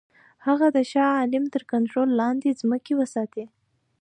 هغه د شاه عالم تر کنټرول لاندي ځمکې وساتي.